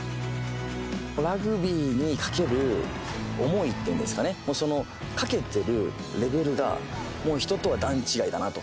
ラグビーに懸ける思いっていうんですかね、その懸けてるレベルが、もう人とは段違いだなと。